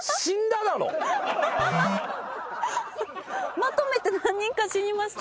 まとめて何人か死にました。